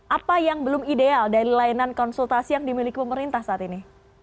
apa yang belum ideal dari layanan konsultasi yang dimiliki pemerintah saat ini